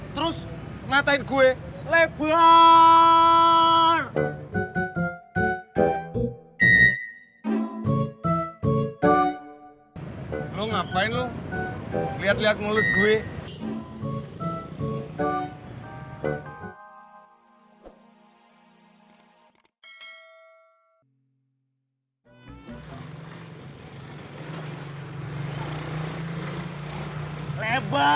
terus ngatain gue